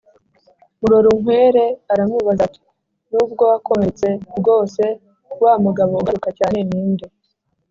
murorunkwere aramubaza, ati: «nubwo wakomeretse bwose wa mugabo ugaruka cyane ni nde ?»